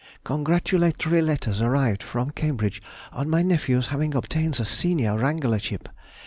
_—Congratulatory letters arrived from Cambridge on my nephew's having obtained the Senior Wranglership.